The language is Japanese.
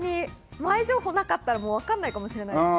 前情報なかったら分からないかもしれない。